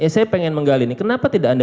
saya pengen menggali nih kenapa tidak anda